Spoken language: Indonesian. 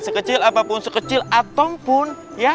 sekecil apapun sekecil atompun